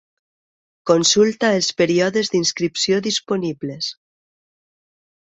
Consulta els períodes d'inscripció disponibles.